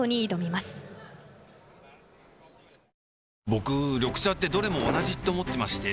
僕緑茶ってどれも同じって思ってまして